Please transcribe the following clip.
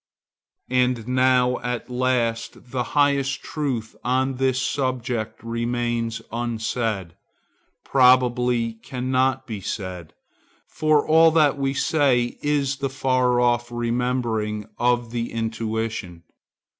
And now at last the highest truth on this subject remains unsaid; probably cannot be said; for all that we say is the far off remembering of the intuition.